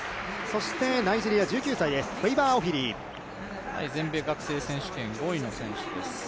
そしてナイジェリア、１９歳です、フェイバー・オフィリ全米選手権５位の選手です。